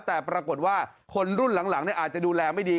แต่ปรากฏว่าคนรุ่นหลังอาจจะดูแลไม่ดี